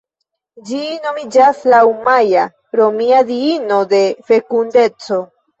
Ĝi nomiĝas laŭ Maja, romia diino de fekundeco.